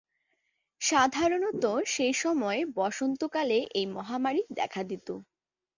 সাধারনত সেসময় বসন্তকালে এই মহামারী দেখা দিত।